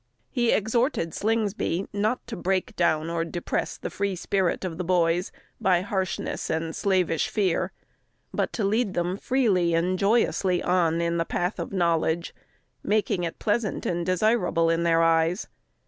He exhorted Slingsby not to break down or depress the free spirit of the boys, by harshness and slavish fear, but to lead them freely and joyously on in the path of knowledge, making it pleasant and desirable in their eyes.